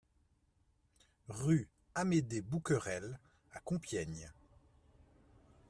Rue Amédée Bouquerel à Compiègne